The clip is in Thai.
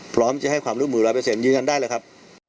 พร้อมจะให้ความรู้หมู่๗๘เป็นเอกับอีกอย่างได้แหละครับ